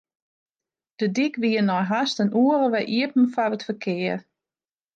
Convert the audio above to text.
De dyk wie nei hast in oere wer iepen foar it ferkear.